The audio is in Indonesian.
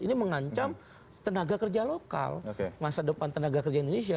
ini mengancam tenaga kerja lokal masa depan tenaga kerja indonesia